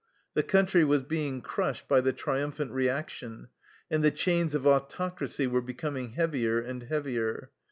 The country was being crushed by the triumphant reaction, and the chains of autoc racy were becoming heavier and heavier.